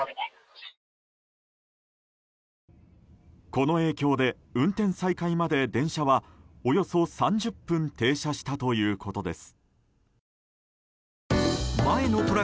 この影響で運転再開まで電車はおよそ３０分停車したということです。